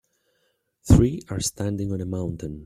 Three are standing on a mountain.